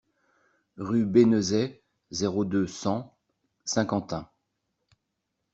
Rue Bénezet, zéro deux, cent Saint-Quentin